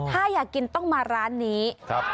อ๋อถ้าอยากกินต้องมาร้านนี้ครับ